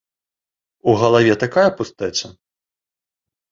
У галаве такая пустэча.